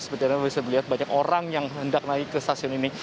seperti anda bisa melihat banyak orang yang hendak naik ke stasiun ini